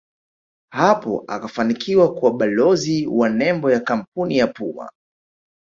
hapo akafanikiwa kuwa balozi wa nembo ya kampuni ya Puma